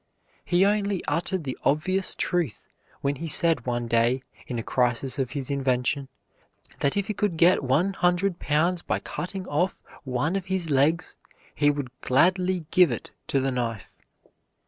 He only uttered the obvious truth when he said one day, in a crisis of his invention, that if he could get one hundred pounds by cutting off one of his legs he would gladly give it to the knife.